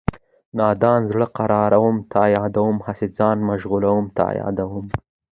نادان زړه قراروم تا یادوم هسې ځان مشغولوم تا یادوم